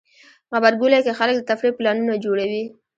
غبرګولی کې خلک د تفریح پلانونه جوړوي.